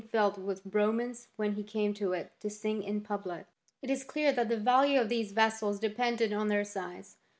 filled with Romans when he came to it to sing in public. * It is clear that the value of these vessels depended on their size.